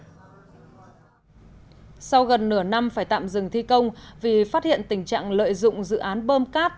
sau gần nửa năm phải tạm dừng thi công vì phát hiện tình trạng lợi dụng dự án bơm cát